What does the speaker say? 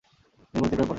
তিনি গণিতের প্রেমে পড়েন।